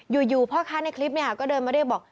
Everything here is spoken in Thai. อยู่พ่อค้าในคลิปก็เดินมาเรียกบอก